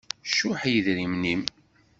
Cuḥ i yidrimen-im.